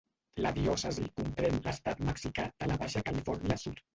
La diòcesi comprèn l'estat mexicà de la Baixa Califòrnia Sud.